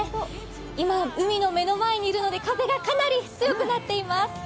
今、海の目の前にいるので風がかなり強くなっています。